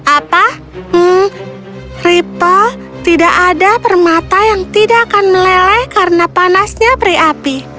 apa hmm ripple tidak ada permata yang tidak akan meleleh karena panasnya peri api